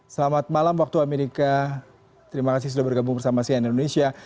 selamat malam waktu amerika terima kasih sudah bergabung bersama sian indonesia